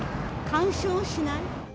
干渉しない。